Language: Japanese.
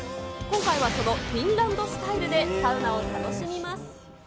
今回はそのフィンランドスタイルでサウナを楽しみます。